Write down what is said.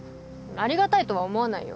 ありがたいとは思わないよ。